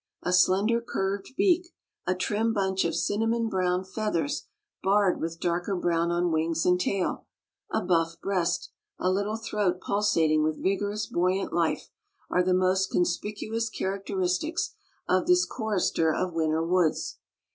A slender curved beak, a trim bunch of cinnamon brown feathers barred with darker brown on wings and tail, a buff breast, a little throat pulsating with vigorous buoyant life are the most conspicuous characteristics of this chorister of winter woods.